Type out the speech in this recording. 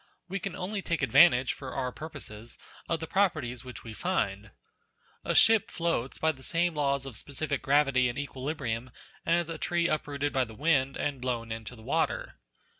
We can only take advantage for our purposes of the properties which we find. A ship floats by the same laws of specific gravity and equilibrium, as a tree uprooted by the wind and blown into the water.